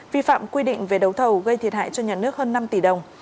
vi phạm quy định về đấu thầu gây thiệt hại cho nhà nước hơn năm tỷ đồng